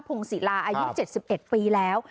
พงศิลาอายุ๗๑ปีแล้ว